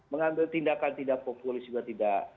mengambil tindakan tidak populis juga tidak